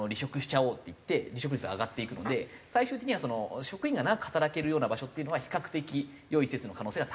ちゃおうっていって離職率が上がっていくので最終的には職員が長く働けるような場所っていうのは比較的良い施設の可能性が高いと。